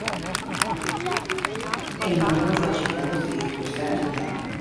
A number of Russian embassies were sent to him.